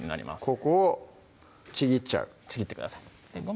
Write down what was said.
ここをちぎっちゃうちぎってください